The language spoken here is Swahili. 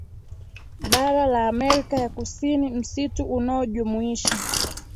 Bara la Amerika ya Kusini msitu unaojumuisha